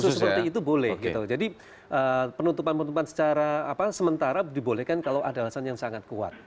kasus seperti itu boleh gitu jadi penutupan penutupan secara sementara dibolehkan kalau ada alasan yang sangat kuat